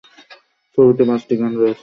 ছবিতে পাঁচটি গান রয়েছে।